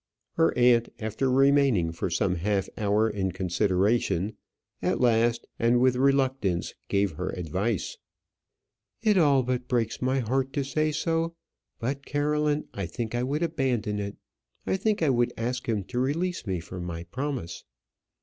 Her aunt, after remaining for some half hour in consideration, at last and with reluctance gave her advice. "It all but breaks my heart to say so; but, Caroline, I think I would abandon it: I think I would ask him to release me from my promise."